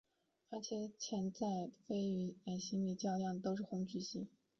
而目前在鲸鱼座矮星系里较明亮恒星都是红巨星。